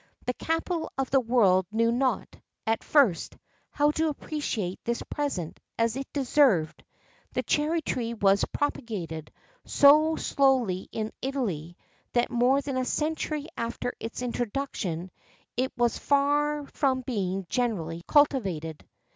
The capital of the world knew not, at first, how to appreciate this present as it deserved: the cherry tree was propagated so slowly in Italy, that more than a century after its introduction it was far from being generally cultivated.